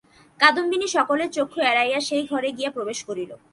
কাদম্বিনী সকলের চক্ষু এড়াইয়া সেই ঘরে গিয়া প্রবেশ করিল।